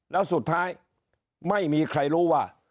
แล้วสุดท้ายไม่มีใครรู้ว่า